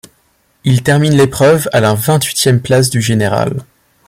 Il termine l'épreuve à la vingt-huitième place du général.